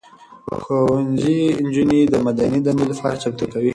ښوونځي نجونې د مدني دندې لپاره چمتو کوي.